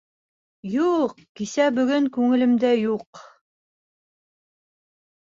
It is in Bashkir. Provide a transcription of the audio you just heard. — Юҡ, кисә-бөгөн күңелемдә юҡ.